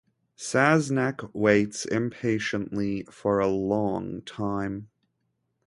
Czanek waits impatiently for a long time.